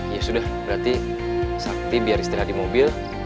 ya sudah berarti sakti biar istirahat di mobil